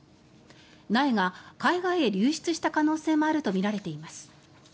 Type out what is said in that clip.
苗が海外へ流出した可能性もあるとみられています。